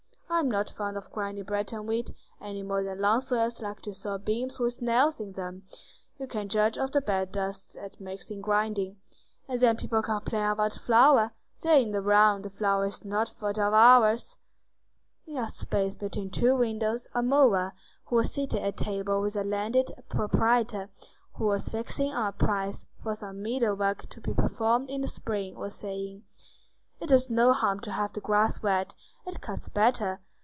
I am not fond of grinding Breton wheat, any more than long sawyers like to saw beams with nails in them. You can judge of the bad dust that makes in grinding. And then people complain of the flour. They are in the wrong. The flour is no fault of ours." In a space between two windows a mower, who was seated at table with a landed proprietor who was fixing on a price for some meadow work to be performed in the spring, was saying:— "It does no harm to have the grass wet. It cuts better.